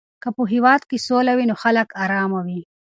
که په هېواد کې سوله وي نو خلک آرامه وي.